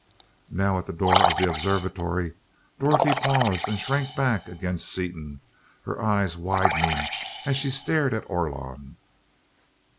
Now at the door of the observatory, Dorothy paused and shrank back against Seaton, her eyes widening as she stared at Orlon.